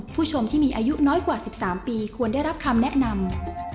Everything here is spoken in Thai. ผู้ชมที่มีอายุน้อยกว่า๑๓ปีควรได้รับคำแนะนำ